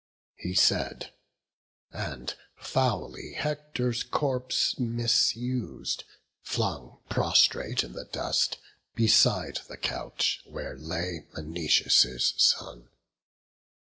He said, and foully Hector's corpse misus'd, Flung prostrate in the dust, beside the couch Where lay Menoetius' son.